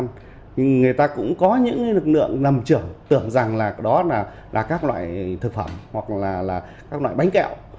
nhưng người ta cũng có những lực lượng nằm trưởng tưởng rằng là đó là các loại thực phẩm hoặc là các loại bánh kẹo